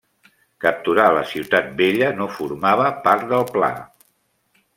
Capturar la Ciutat Vella no formava part del pla.